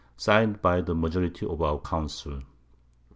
_ Sign'd by the Majority of our Council.